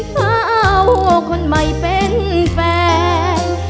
ถ้าเอาคนใหม่เป็นแฟน